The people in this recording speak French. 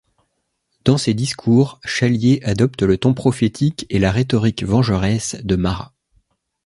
Dans ses discours, Chalier adopte le ton prophétique et la rhétorique vengeresse de Marat.